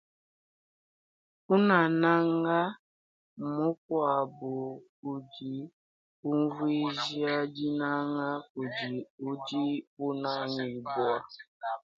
Kunanaga mukuabu kudi kuvuija dinanga kudi udi unangibua.